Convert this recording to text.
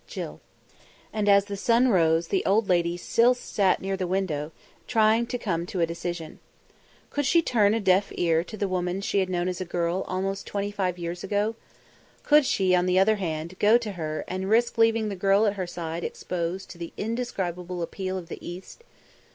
JILL." And as the sun rose the old lady still sat near the window, trying to come to a decision. Could she turn a deaf ear to the woman she had known as a girl almost twenty five years ago? Could she, on the other hand, go to her and risk leaving the girl at her side exposed to the indescribable appeal of the East?